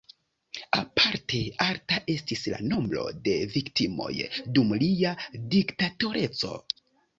Aparte alta estis la nombro de viktimoj dum lia diktatoreco.